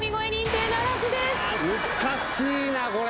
難しいな、これ。